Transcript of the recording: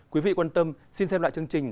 quý vị quan tâm xin xem lại chương trình